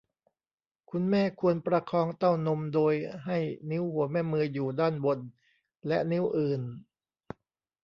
คุณแม่ควรประคองเต้านมโดยให้นิ้วหัวแม่มืออยู่ด้านบนและนิ้วอื่น